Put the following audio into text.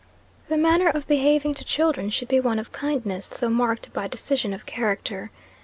The manner of behaving to children should be one of kindness, though marked by decision of character.